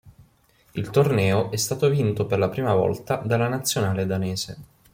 Il torneo è stato vinto per la prima volta dalla nazionale danese.